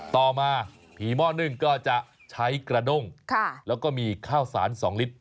ต่อมาผีหม้อนึ่งก็จะใช้กระด้งแล้วก็มีข้าวสาร๒ลิตร